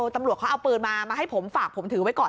ตำรวจเขาเอาปืนมามาให้ผมฝากผมถือไว้ก่อน